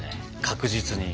確実に。